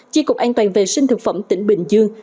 chi cục an toàn vệ sinh thực phẩm tỉnh bình dương